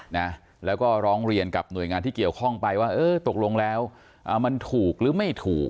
นะแล้วก็ร้องเรียนกับหน่วยงานที่เกี่ยวข้องไปว่าเออตกลงแล้วอ่ามันถูกหรือไม่ถูก